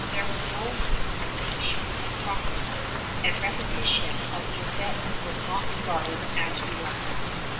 There was no sequestration of property, and repetition of the offence was not regarded as relapse.